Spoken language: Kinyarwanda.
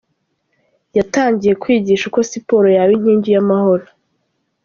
Yatangiye kwigisha uko siporo yaba inkingi y’amahoro.